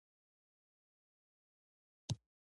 لېږد، رالېږد، اوږد، موږک، ږمنځ، ږيره